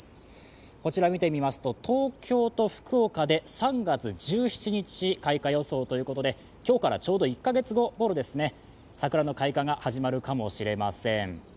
こちら見てみますと、東京と福岡で３月１７日開花予想ということで今日からちょうど１か月後ころ、桜の開花が始まるかもしれません。